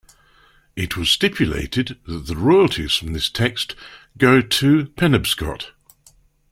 It was stipulated that the royalties from this text go to the Penobscot.